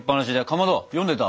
かまど読んでた？